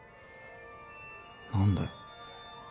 何だよ。